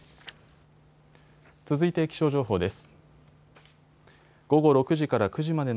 続いて気象情報です。